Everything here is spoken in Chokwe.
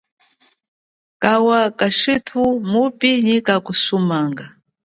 Kawa kashithu mupi kakusumana.